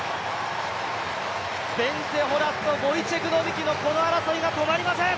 ベンツェ・ホラスとボイチェク・ノビキのこの争いが止まりません！